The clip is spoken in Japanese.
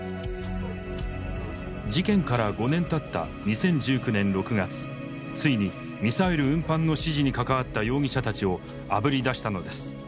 事件から５年たった２０１９年６月ついにミサイル運搬の指示に関わった容疑者たちをあぶり出したのです。